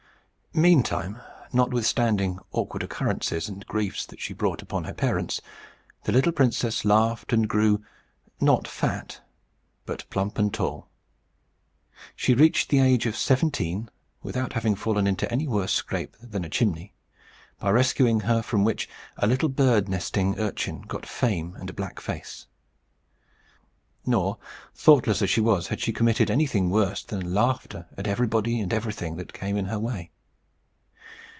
Meantime, notwithstanding awkward occurrences, and griefs that she brought upon her parents, the little princess laughed and grew not fat, but plump and tall. She reached the age of seventeen, without having fallen into any worse scrape than a chimney; by rescuing her from which, a little bird nesting urchin got fame and a black face. Nor, thoughtless as she was, had she committed anything worse than laughter at everybody and everything that came in her way.